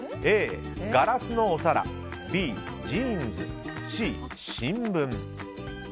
Ａ、ガラスのお皿Ｂ、ジーンズＣ、新聞。